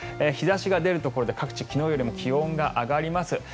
日差しが出るところで各地昨日よりも気温が上がります。